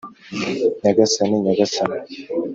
nyagasani nyagasani,